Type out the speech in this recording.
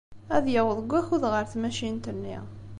Ad yaweḍ deg wakud ɣer tmacint-nni.